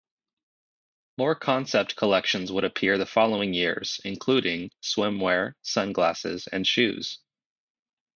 More concept collections would appear the following years, including, swimwear, sunglasses and shoes.